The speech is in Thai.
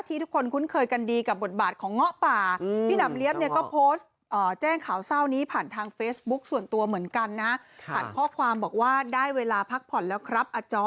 ทุกคนคุ้นเคยกันดีกับบทบาทของเงาะป่า